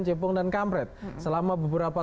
cepong dan kamret selama beberapa